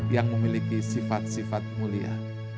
yang memiliki sifat sifat mulia